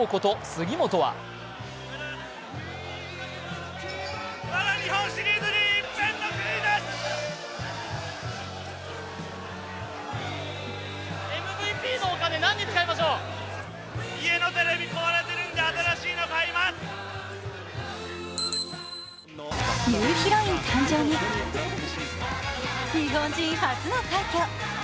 杉本はニューヒロイン誕生に日本人初の快挙。